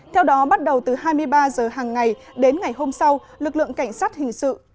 theo đó bắt đầu từ hai mươi ba h hàng ngày đến ngày hôm sau lực lượng cảnh sát hình sự